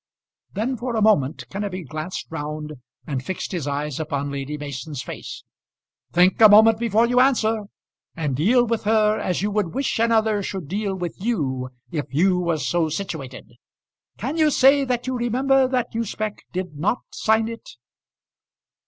Then for a moment Kenneby glanced round and fixed his eyes upon Lady Mason's face. "Think a moment before you answer; and deal with her as you would wish another should deal with you if you were so situated. Can you say that you remember that Usbech did not sign it?"